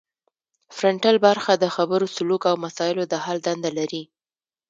فرنټل برخه د خبرو سلوک او مسایلو د حل دنده لري